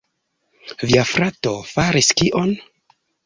Via frato faris kion?